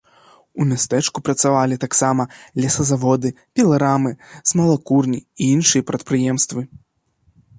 У мястэчку працавалі таксама лесазаводы, піларамы, смалакурні і іншыя прадпрыемствы.